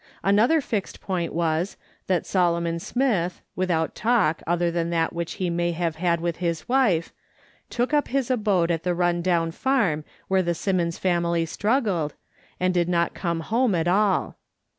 Another fixed point was, that Solomon Smith, without talk, other than that which he may have had with his wife, took up his abode at the run down farm where the Simmons family struggled, and did not come home at all.